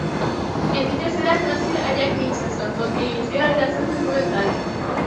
En dicha ciudad conoció a Jack Nicholson con quien inició una relación sentimental.